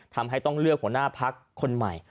ทำให้ต้องเลือกหัวหน้าพักคนใหม่